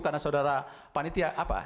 karena saudara panitia apa